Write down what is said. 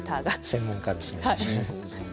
専門家ですね。